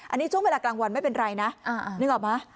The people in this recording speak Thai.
อันนี้ช่วงเวลากลางวันไม่เป็นไรนะนึกออกไหม